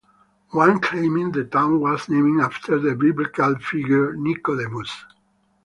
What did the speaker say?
One claiming the town was named after the biblical figure Nicodemus.